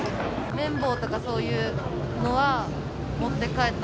綿棒とかそういうのは、持って帰った。